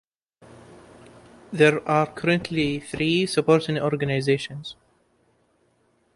There are currently three Supporting Organizations.